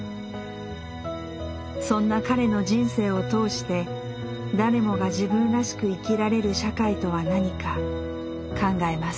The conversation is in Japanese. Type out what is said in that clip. そんな彼の人生を通して誰もが自分らしく生きられる社会とは何か考えます。